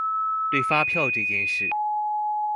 對發票這件事